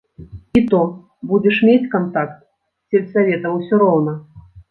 І то будзеш мець кантакт з сельсаветам усё роўна!